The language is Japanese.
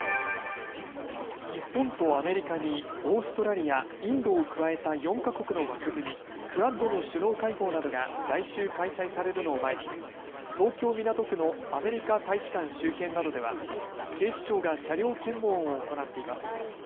日本とアメリカにオーストラリア、インドを加えた４か国の枠組み、クアッドの首脳会合などが来週、開催されるのを前に東京港区のアメリカ大使館周辺などでは警視庁が車両検問を行っています。